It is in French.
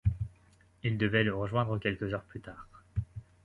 Il devait le rejoindre quelques heures plus tard.